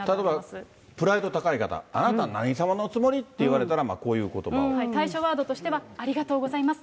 例えばプライド高い型、あなた何様のつもり？って言われたら、対処ワードとしては、ありがとうございます。